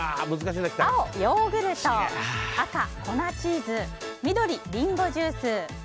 青、ヨーグルト赤、粉チーズ緑、リンゴジュース。